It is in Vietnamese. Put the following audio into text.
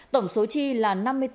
tổng số chi là